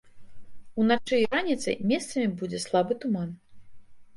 Уначы і раніцай месцамі будзе слабы туман.